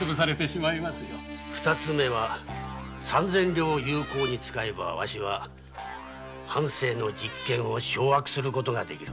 二つ目は三千両を遣えばわしは藩政の実権を掌握できる。